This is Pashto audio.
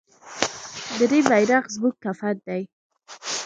د دې بیرغ زموږ کفن دی